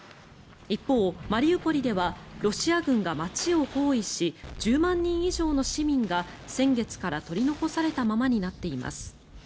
一方、マリウポリではロシア軍が街を包囲し１０万人以上の市民が先月から取り残されたままになっています。